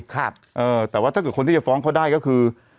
แต่ถ้าว่าคนที่จะฟ้องเขาได้ก็คือ